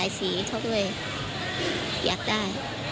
สายสีเขาด้วยอยากได้